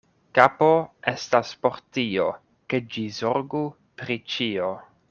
Kapo estas por tio, ke ĝi zorgu pri ĉio.